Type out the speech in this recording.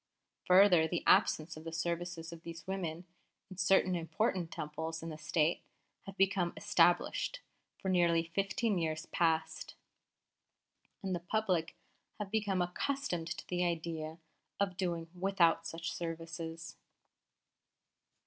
Further, the absence of the services of these women in certain important Temples in the State has become established for nearly fifteen years past, and the public have become accustomed to the idea of doing without such services.'